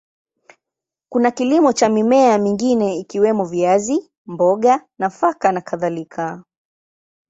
Kuna kilimo cha mimea mingine ikiwemo viazi, mboga, nafaka na kadhalika.